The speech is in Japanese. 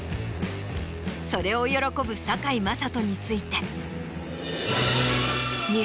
それを喜ぶ堺雅人について。